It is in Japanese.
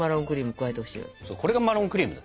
これがマロンクリーム？